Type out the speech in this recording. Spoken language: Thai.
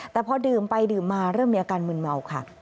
แต่พอดื่มไปดื่มมาเริ่มมีอาการมืนเมาค่ะ